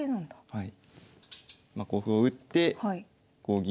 はい。